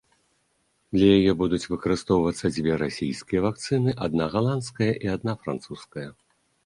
Для яе будуць выкарыстоўвацца дзве расійскія вакцыны, адна галандская і адна французская.